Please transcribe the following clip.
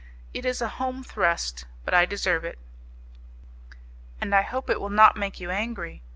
"It is a home thrust, but I deserve it." "And I hope it will not make you angry.